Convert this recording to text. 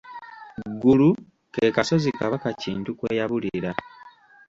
Ggulu ke kasozi Kabaka Kintu kweyabulira.